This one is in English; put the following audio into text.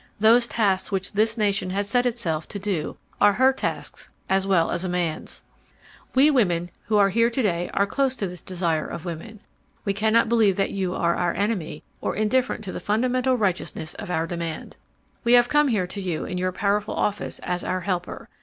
Those tasks which this nation has set itself to do are her tasks as well as man's. We women who are here to day are close to this desire of women. We cannot believe that you are our enemy or indifferent to the fundamental righteousness of our demand. "We have come here to you in your powerful office as our helper.